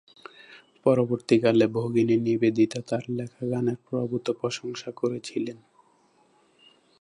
পরবর্তীকালে, ভগিনী নিবেদিতা তার লেখা গানের প্রভূত প্রশংসা করেছিলেন।